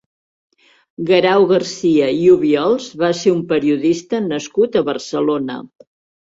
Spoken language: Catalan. Guerau Garcia i Obiols va ser un periodista nascut a Barcelona.